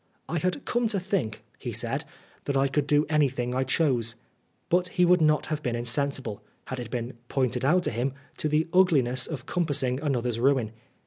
" I had come to think," he said, " that I could do anything I chose." But he would not have been insensible, had it been pointed out to him, to the ugliness of compassing another's ruin.